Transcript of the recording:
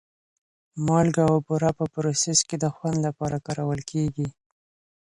مالګه او بوره په پروسس کې د خوند لپاره کارول کېږي.